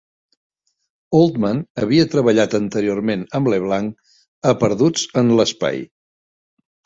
Oldman havia treballat anteriorment amb LeBlanc a "Perduts en l'espai".